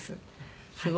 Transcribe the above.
すごい。